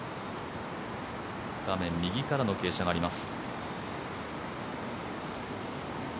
画面右からの傾斜があります。